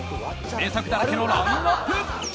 名作だらけのラインアップ！